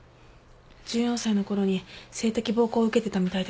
１４歳のころに性的暴行を受けてたみたいですね。